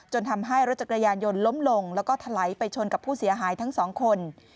ทำให้รถจักรยานยนต์ล้มลงแล้วก็ถลายไปชนกับผู้เสียหายทั้งสองคน